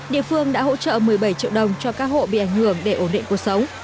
địa phương đã hỗ trợ một mươi bảy triệu đồng cho các hộ bị ảnh hưởng để ổn định cuộc sống